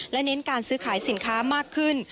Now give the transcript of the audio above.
และเน้นการซื้อขายสินค้ามากขึ้น